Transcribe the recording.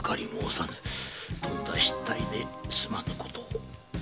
とんだ失態ですまぬ事を。